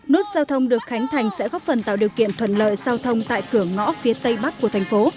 nút giao thông được khánh thành sẽ góp phần tạo điều kiện thuận lợi giao thông tại cửa ngõ phía tây bắc của thành phố